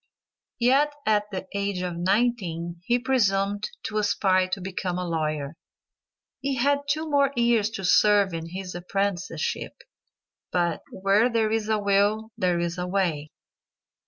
Yet at the age of nineteen he presumed to aspire to become a lawyer! He had two more years to serve in his apprenticeship, but "Where there's a will there's a way."